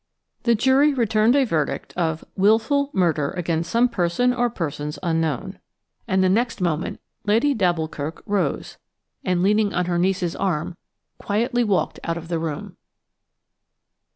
The jury returned a verdict of "Wilful murder against some person or persons unknown," and the next moment Lady d'Alboukirk rose, and, leaning on her niece's arm, quietly walked out of the room.